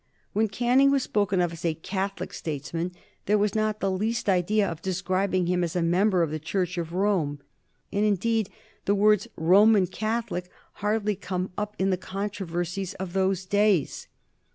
When Canning was spoken of as a Catholic statesman there was not the least idea of describing him as a member of the Church of Rome, and, indeed, the words "Roman Catholic" hardly come up in the controversies of those days.